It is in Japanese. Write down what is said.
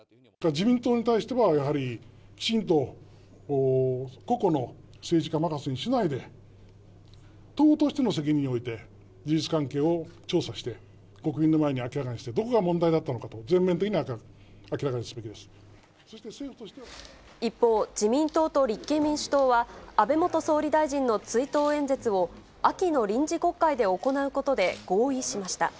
自民党に対しては、やはりきちんと、個々の政治家任せにしないで、党としての責任において、事実関係を調査して、国民の前に明らかにして、どこが問題だったのかと、全面的に明らかにすべき一方、自民党と立憲民主党は、安倍元総理大臣の追悼演説を、秋の臨時国会で行うことで合意しました。